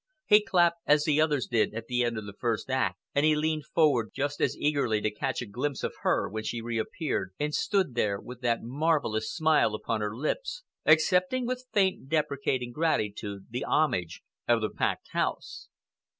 He clapped as the others did at the end of the first act, and he leaned forward just as eagerly to catch a glimpse of her when she reappeared and stood there with that marvelous smile upon her lips, accepting with faint, deprecating gratitude the homage of the packed house.